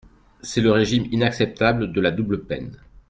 C’est le régime inacceptable de la double peine.